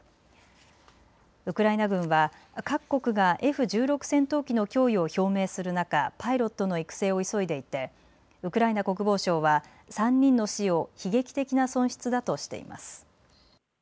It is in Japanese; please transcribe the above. ウクライナ軍は各国がＦ１６戦闘機の供与を表明する中、パイロットの育成を急いでいてウクライナ国防省は３人の死を悲劇的な損失だとしています。